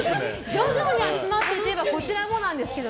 徐々に集まっているといえばこちらです。